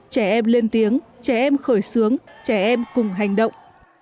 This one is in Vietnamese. trẻ em lên tiếng trẻ em khởi xướng trẻ em cùng hành động